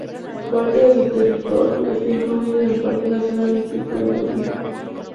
Parte de su territorio está incluido en el Parque Nacional del Pico da Neblina.